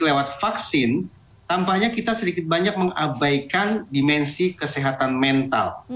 lewat vaksin tampaknya kita sedikit banyak mengabaikan dimensi kesehatan mental